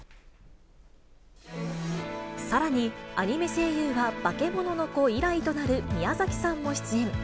さらに、アニメ声優はバケモノの子以来となる宮崎さんも出演。